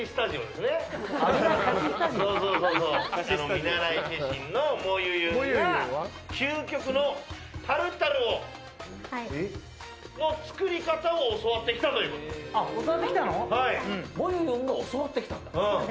見習い化身のもゆゆんが究極のタルタルの作り方を教わってきたという。もゆゆんが教わってきたんだ。